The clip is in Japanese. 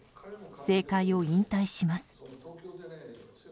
政界を引退します。